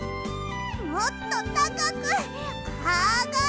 もっとたかくあがれ！